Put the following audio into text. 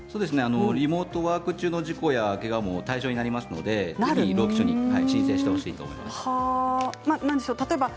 リモートワーク中の事故やけがも対象になりますので労基署に申請してほしいと思います。